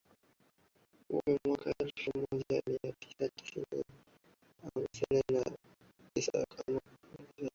kumi mwaka elfu moja mia tisa hamsini na tisa Lumumba kama kiongozi wa chama